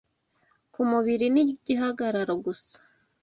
ku mubiri n’igihagararo gusa